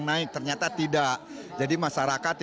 makan yang diutamakan